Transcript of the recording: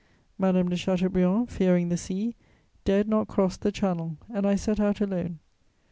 Madame de Chateaubriand, fearing the sea, dared not cross the Channel, and I set out alone.